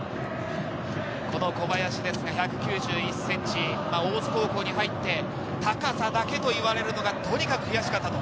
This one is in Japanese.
小林ですが１９１ｃｍ、大津高校に入って高さだけと言われるのがとにかく悔しかった。